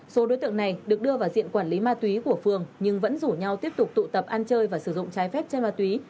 số đối tượng này được đưa vào diện quản lý ma túy của phường nhưng vẫn rủ nhau tiếp tục tụ tập ăn chơi và sử dụng trái phép chân ma túy